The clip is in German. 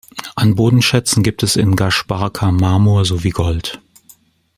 An Bodenschätzen gibt es in Gash-Barka Marmor sowie Gold.